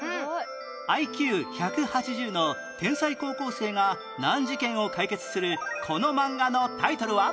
ＩＱ１８０ の天才高校生が難事件を解決するこのマンガのタイトルは？